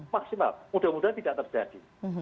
mudah mudahan tidak terjadi